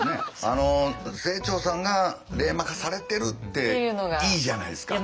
あの清張さんが冷マ化されてるっていいじゃないですか。